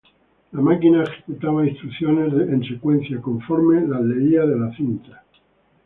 La máquina ejecutaba instrucciones en secuencia, conforme las leía de la cinta.